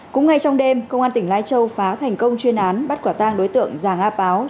cũng ngay trong đêm công an tỉnh lai châu phá thành công chuyên án bắt quả tang đối tượng giàng a páo